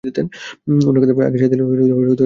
উনার কথায় আগে সায় দিলে হয়তো এমনটা হতোও না!